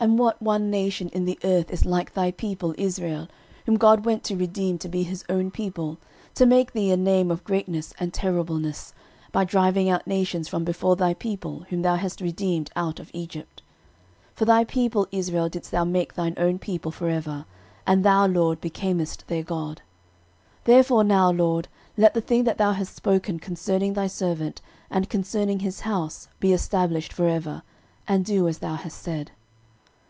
13:017:021 And what one nation in the earth is like thy people Israel, whom God went to redeem to be his own people, to make thee a name of greatness and terribleness, by driving out nations from before thy people whom thou hast redeemed out of Egypt? 13:017:022 For thy people Israel didst thou make thine own people for ever; and thou, LORD, becamest their God. 13:017:023 Therefore now, LORD, let the thing that thou hast spoken concerning thy servant and concerning his house be established for ever, and do as thou hast said.